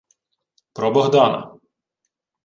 — Про Богдана.